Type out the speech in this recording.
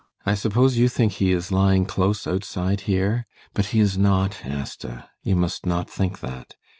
] I suppose you think he is lying close outside here? But he is not, Asta. You must not think that.